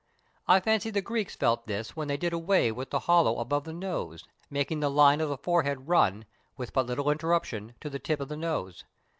I fancy the Greeks felt this when they did away with the hollow above the nose, making the line of the forehead run, with but little interruption, to the tip of the nose.